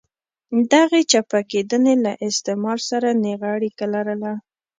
دغې چپه کېدنې له استعمار سره نېغه اړیکه لرله.